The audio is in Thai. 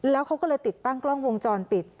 แล้วเขาก็เลยติดตั้งกล้องวงจรปิด